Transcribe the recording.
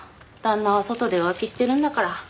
旦那は外で浮気してるんだから。